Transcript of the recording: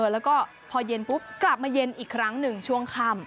แล้วก็พอเย็นปุ๊บกลับมาเย็นอีกครั้งหนึ่งช่วงค่ำ